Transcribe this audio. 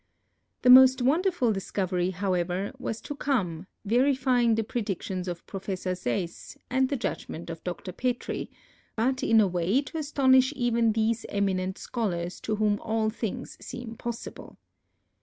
The most wonderful discovery, however, was to come, verifying the predictions of Prof. Sayce and the judgment of Dr. Petrie, but in a way to astonish even these eminent scholars to whom all things seem possible.